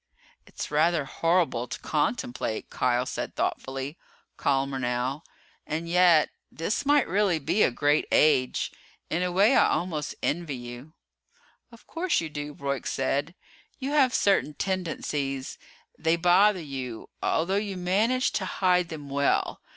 "It's rather horrible to contemplate," Kial said thoughtfully, calmer now, "and yet, this might really be a great age. In a way I almost envy you." "Of course you do," Broyk said. "You have certain tendencies they bother you, although you manage to hide them well.